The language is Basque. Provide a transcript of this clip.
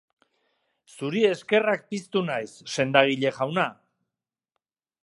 Zuri eskerrak piztu naiz, sendagile jauna!